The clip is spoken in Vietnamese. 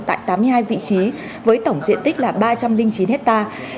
tại tám mươi hai vị trí với tổng diện tích là ba trăm linh chín hectare